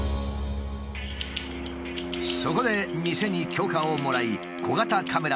そこで店に許可をもらい小型カメラを設置。